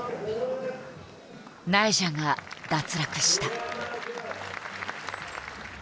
ナイジャが脱落した。